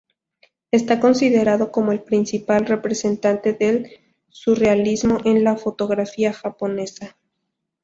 Está considerado como el principal representante del surrealismo en la fotografía japonesa.